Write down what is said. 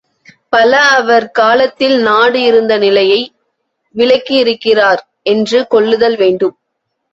பல அவர் காலத்தில் நாடு இருந்த நிலையை விளக்கியிருக்கிறார் என்று கொள்ளுதல் வேண்டும்.